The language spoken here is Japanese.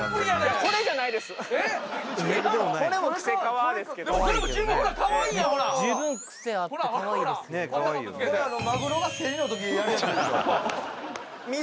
・これマグロが競りの時やるやつでしょ